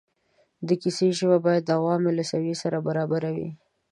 د کیسې ژبه باید د عوامو له سویې سره برابره وي.